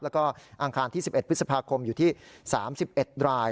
แล้วก็อังคารที่๑๑พฤษภาคมอยู่ที่๓๑ราย